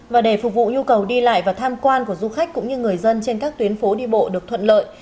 và để phục vụ nhu cầu đi lại và tham quan của du khách cũng như người dân trên các tuyến phố đi bộ được thuận lợi